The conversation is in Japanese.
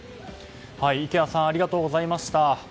池谷さんありがとうございました。